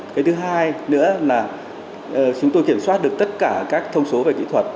cái thứ hai nữa là chúng tôi kiểm soát được tất cả các thông số về kỹ thuật